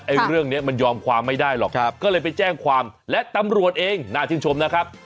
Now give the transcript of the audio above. เรื่องนี้มันยอมความไม่ได้หรอกก็เลยไปแจ้งความและตำรวจเองน่าชื่นชมนะครับ